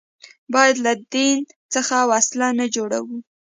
باید له دین څخه وسله نه جوړوي